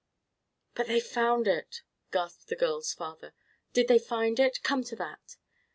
"But they found it!" gasped the girl's father; "did they find it? Come to that."